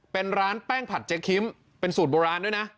เป็นร้านแป้งผัดเจ๊คิมเป็นสูตรโบราณด้วยนะ